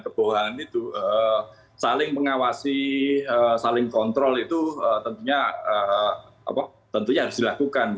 dan kebohongan itu saling mengawasi saling kontrol itu tentunya harus dilakukan